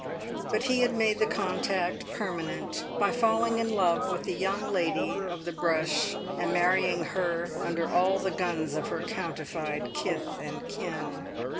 But he had made the contact permanent by falling in love with the young lady of the brush and marrying her under all the guns of her countified kith and kin.